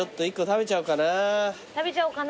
食べちゃおうかな。